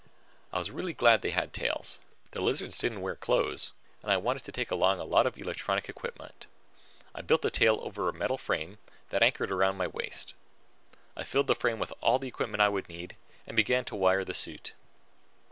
I was really glad they had tails. The lizards didn't wear clothes and I wanted to take along a lot of electronic equipment. I built the tail over a metal frame that anchored around my waist. Then I filled the frame with all the equipment I would need and began to wire the suit.